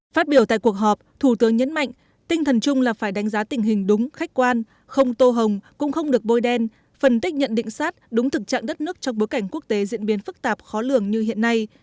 phát biểu tại cuộc họp thủ tướng nhấn mạnh tinh thần chung là phải đánh giá tình hình đúng khách quan không tô hồng cũng không được bôi đen phân tích nhận định sát đúng thực trạng đất nước trong bối cảnh quốc tế diễn biến phức tạp khó lường như hiện nay